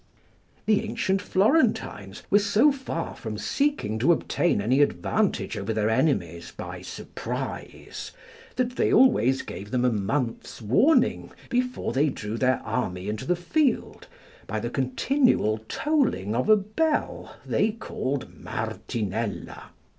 The ancient Florentines were so far from seeking to obtain any advantage over their enemies by surprise, that they always gave them a month's warning before they drew their army into the field, by the continual tolling of a bell they called Martinella.